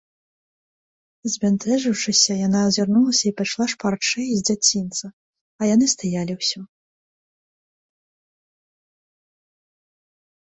Збянтэжыўшыся, яна азірнулася і пайшла шпарчэй з дзядзінца, а яны стаялі ўсе.